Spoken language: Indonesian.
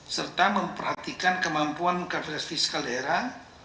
serta memperhatikan kemampuan kapasitas fiskal daerah